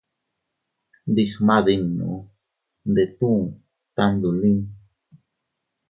Ndigmadinnu ndetuu tamdolin.